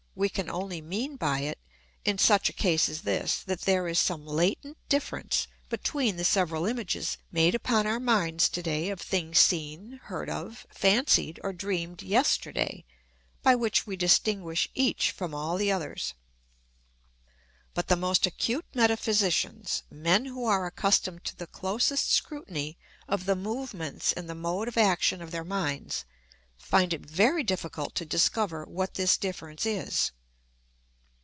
We can only mean by it, in such a case as this, that there is some latent difference between the several images made upon our minds to day of things seen, heard of, fancied, or dreamed yesterday, by which we distinguish each from all the others. But the most acute metaphysicians men who are accustomed to the closest scrutiny of the movements and the mode of action of their minds find it very difficult to discover what this difference is.